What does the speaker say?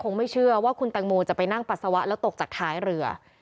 ไม่เชื่อว่าคุณแตงโมจะไปนั่งปัสสาวะแล้วตกจากท้ายเรือ